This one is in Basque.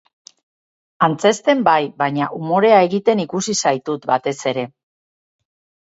Antzezten bai, baina umorea egiten ikusi zaitut batez ere.